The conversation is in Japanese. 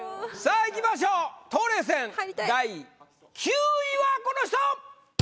さぁいきましょう冬麗戦第９位はこの人！